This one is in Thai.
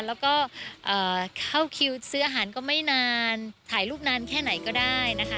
แล้วก็เข้าคิวซื้ออาหารก็ไม่นานถ่ายรูปนานแค่ไหนก็ได้นะคะ